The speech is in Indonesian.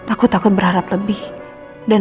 aku takut berharap lebih dan